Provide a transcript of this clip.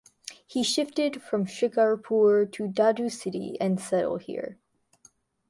He shifted from Shikarpur to Dadu city and settled here.